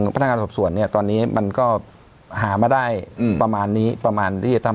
พนักการส่วนตอนนี้มันก็หามาได้ประมาณนี้ประมาณที่ทำ